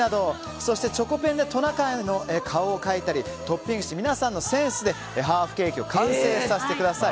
そしてチョコペンでトナカイの顔を描いたりトッピングして皆さんのセンスでハーフケーキを完成させてください。